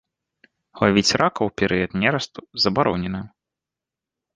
Лавіць ракаў у перыяд нерасту забаронена.